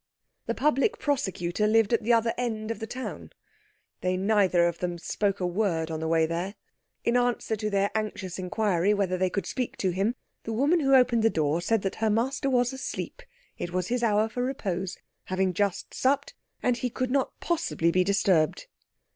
The Public Prosecutor lived at the other end of the town. They neither of them spoke a word on the way there. In answer to their anxious inquiry whether they could speak to him, the woman who opened the door said that her master was asleep; it was his hour for repose, having just supped, and he could not possibly be disturbed.